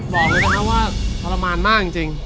บอกเลยนะครับว่าทรมานมากจริง